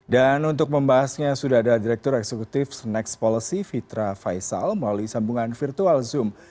dan untuk membahasnya sudah ada direktur eksekutif next policy fitra faisal melalui sambungan virtual zoom